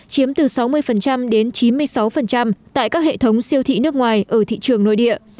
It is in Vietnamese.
chiếm từ sáu mươi đến chín mươi sáu tại các hệ thống siêu thị nước ngoài ở thị trường nội địa